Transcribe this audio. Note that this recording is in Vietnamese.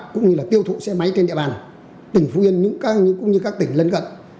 cũng như là tiêu thụ xe máy trên địa bàn tỉnh phú yên cũng như các tỉnh lân cận